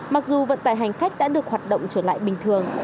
mặc dù vận tải hành khách đã được hoạt động trở lại bình thường